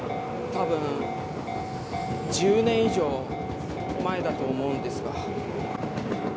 多分、１０年以上前だと思うんですが。